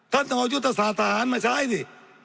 ท่านต้องเอาศัตรูสาธารณ์มาใช้ดิ